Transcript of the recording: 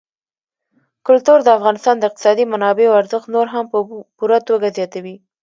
کلتور د افغانستان د اقتصادي منابعو ارزښت نور هم په پوره توګه زیاتوي.